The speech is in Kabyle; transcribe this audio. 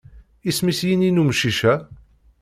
Isem-is yini n umcic-a?